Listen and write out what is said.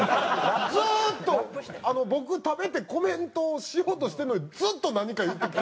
ずーっと僕食べてコメントをしようとしてるのにずっと何か言ってきて。